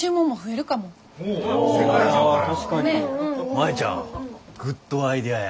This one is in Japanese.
舞ちゃんグッドアイデアや。